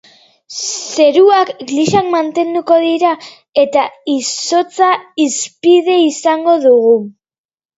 Zeruak grisa mantenduko dira eta izotza hizpide izango dugu.